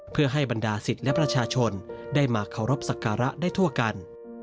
เพื่อให้บรรดาศิษย์และประชาชนได้มาเคารพสักการะได้ทั่วกัน